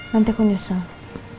nanti aku nyesel